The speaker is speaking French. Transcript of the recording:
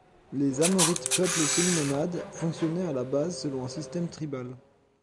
Les Amorrites, peuple semi-nomade, fonctionnaient à la base selon un système tribal.